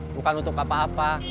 bukan untuk apa apa